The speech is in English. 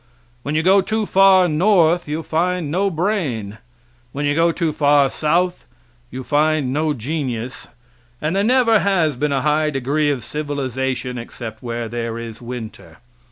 When you go too far north yon find no brain; when you go too far south you find no genius, and there never has been a high degree of civilization except where there is winter.